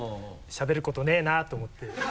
しゃべることないなと思って。